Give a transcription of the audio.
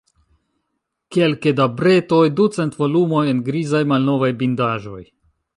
Kelke da bretoj, ducent volumoj en grizaj, malnovaj bindaĵoj.